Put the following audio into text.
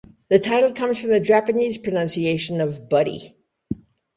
The title comes from the Japanese pronunciation of "buddy".